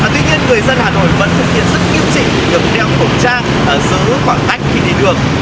tuy nhiên người dân hà nội vẫn thực hiện rất nghiêm chỉnh việc đeo khẩu trang giữ khoảng cách khi đi đường